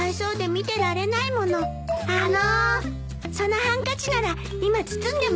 そのハンカチなら今包んでもらってるので。